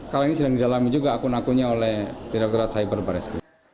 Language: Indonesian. kalau ini sedang didalami juga akun akunnya oleh direkturat cyber barreskrim